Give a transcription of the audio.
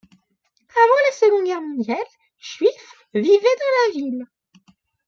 Avant la Seconde Guerre mondiale, Juifs vivaient dans la ville.